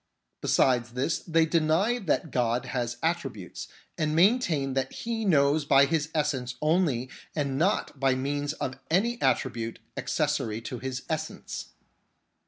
Besides this, they deny that God has attributes, and maintain that He knows by His essence only and not by means of any attribute accessory to His essence.